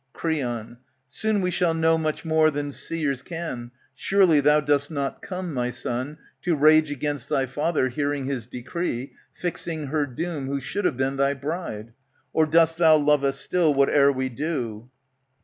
Creon. Soon we shall know much more than seers can Surely thou dost not come, my son, to rage Against thy father, hearing his decree, Fixing her doom who should have been thy bride ; Or dost thou love us still, whate'er we do